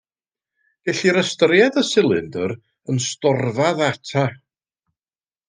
Gellir ystyried y silindr yn storfa ddata.